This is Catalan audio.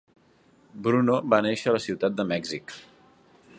Bruno va néixer a la Ciutat de Mèxic.